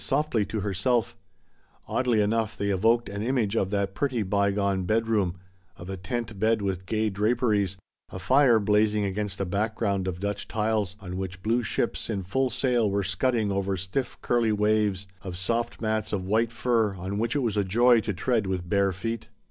softly to herself ; oddly enough, they evoked an image of that pretty bygone bedroom, of a tent bed with gay draperies, a fire blazing against a background of Dutch tiles, on which blue ships in full sail were scudding over stiff curly waves, of soft mats of white fur on which it was a joy to tread with bare feet.